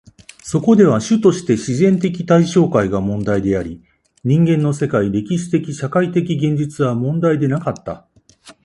そこでは主として自然的対象界が問題であり、人間の世界、歴史的・社会的現実は問題でなかった。